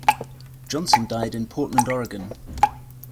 Johnson died in Portland, Oregon.